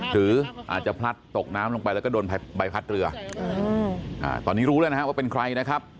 หรืออาจจะพลัดตกน้ำลงไปแล้วก็โดนใบพัดเรือตอนนี้รู้แล้วนะฮะว่าเป็นใครนะครับ